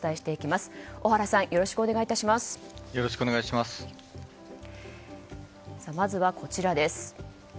まずは、こちらです。